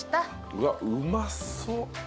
うわっうまそう。